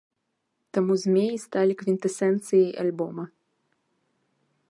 Таму змеі сталі квінтэсенцыяй альбома.